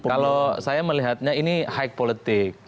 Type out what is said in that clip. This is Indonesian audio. kalau saya melihatnya ini high politik